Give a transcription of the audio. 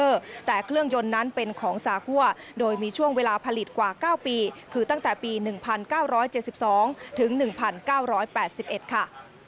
แต่เครื่องยนต์นั้นเป็นของจากหัวโดยมีช่วงเวลาผลิตกว่า๙ปีคือตั้งแต่ปี๑๙๗๒ถึง๑๙๘๑ค่ะ